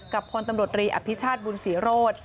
กับคนตำรวจรีอภิชาธิบุญศรีโรธ